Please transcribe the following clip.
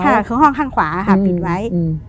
ค่ะคือห้องข้างขวาค่ะปิดไว้